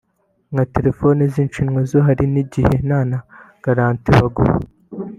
“Nka telefoni z’inshinwa zo hari igihe nta na garanti baguha